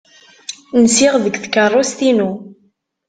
Nsiɣ deg tkeṛṛust-inu.